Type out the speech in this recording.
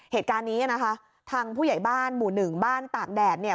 เหตุการณ์นี้นะคะทางผู้ใหญ่บ้านหมู่หนึ่งบ้านตากแดดเนี่ย